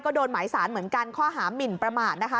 ก็โดนหมายสารเหมือนกันข้อหามินประมาทนะคะ